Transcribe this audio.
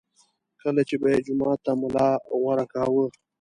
کله چې به یې جومات ته ملا غوره کاوه.